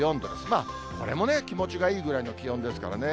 まあ、これも気持ちがいいぐらいの気温ですからね。